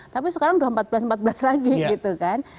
tapi sekarang sudah empat belas an lagi gitu kan